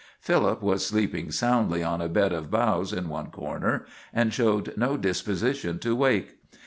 Philip was sleeping soundly on a bed of boughs in one corner, and showed no disposition to wake.